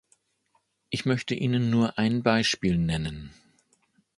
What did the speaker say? Ich möchte Ihnen nur ein Beispiel nennen.